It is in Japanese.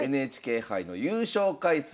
ＮＨＫ杯の優勝回数